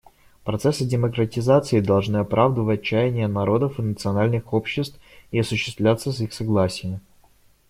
Процессы демократизации должны оправдывать чаяния народов и национальных обществ и осуществляться с их согласия.